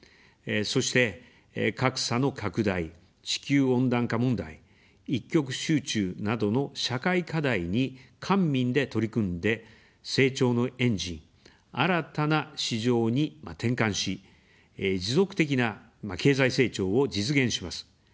そして、格差の拡大、地球温暖化問題、一極集中などの社会課題に官民で取り組んで、成長のエンジン、新たな市場に転換し、持続的な経済成長を実現します。